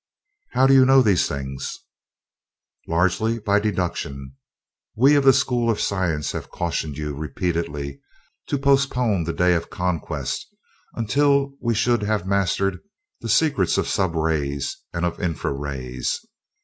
"How do you know these things?" "Largely by deduction. We of the school of science have cautioned you repeatedly to postpone the Day of Conquest until we should have mastered the secrets of sub rays and of infra rays.